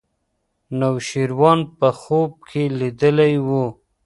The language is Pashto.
نوشیروان په خوب کې لیدلی و.